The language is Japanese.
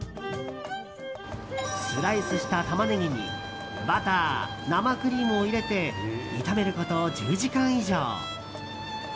スライスしたタマネギにバター、生クリームを入れて炒めること１０時間以上。